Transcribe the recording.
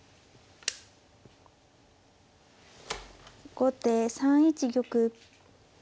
後手３一玉。